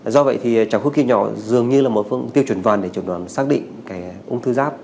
do vậy thì chọc hút kim nhỏ dường như là một phương tiêu chuẩn vần để chủ đoàn xác định cái ung thư giáp